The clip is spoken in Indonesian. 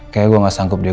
kayaknya gue gak sanggup deh